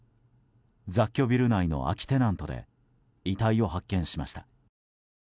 雑居ビル内の空きテナントで遺体を発見しました。